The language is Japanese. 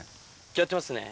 やってますね。